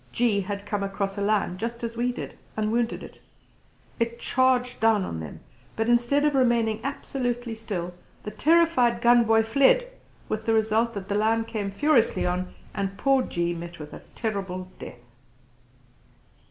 G came across a lion just as we did, and wounded it. It charged down on them, but instead of remaining absolutely still, the terrified gun boy fled, with the result that the lion came furiously on, and poor G met with a terrible death.